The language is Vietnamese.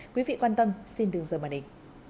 quý vị quan tâm xin đừng giờ mà đến